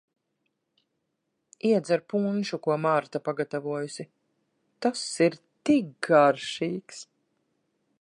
Iedzer punšu, ko Marta pagatavojusi, tas ir tik garšīgs.